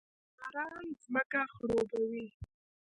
باران ځمکه خړوبوي